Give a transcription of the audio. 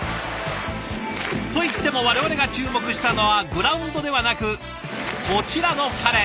といっても我々が注目したのはグラウンドではなくこちらの彼。